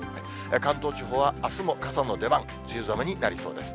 関東地方はあすも傘の出番、梅雨寒になりそうです。